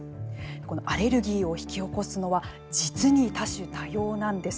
このアレルギーを引き起こすのは実に多種多様なんです。